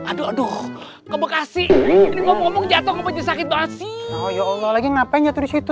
aduh aduh ke bekasi ngomong ngomong jatuh sakit basi ya allah lagi ngapain jatuh disitu